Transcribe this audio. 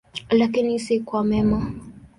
Lakini si kwa mema.